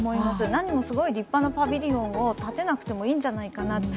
何もすごい立派なパビリオンを建てなくていいんじゃないか。